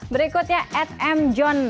berikutnya ed m john